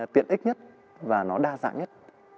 tiện ích nhất và nó đa dạng nhất